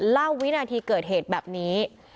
วินาทีเกิดเหตุแบบนี้